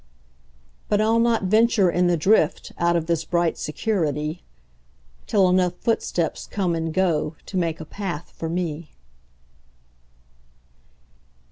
But I'll not venture in the driftOut of this bright security, Till enough footsteps come and goTo make a path for me.